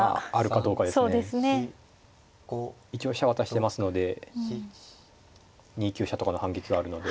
一応飛車渡してますので２九飛車とかの反撃があるので。